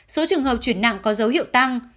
số trường hợp chuyển nặng có dấu hiệu tăng